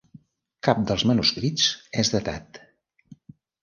Cap dels manuscrits és datat.